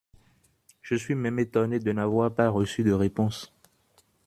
Je suis même étonné de n’avoir pas reçu de réponse.